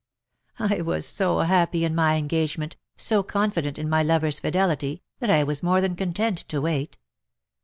I was so happy in my engagement, so con fident in my lover's fidelity, that I was more than content to wait.